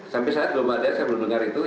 sampai saat belum ada saya belum dengar itu